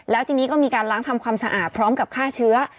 แล้วทีนี้ก็มีการล้างทำความสะอาดพร้อมกับฆ่าเชื้อ